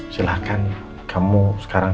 silahkan kamu sekarang